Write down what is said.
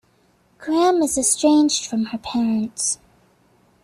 Graham is estranged from her parents.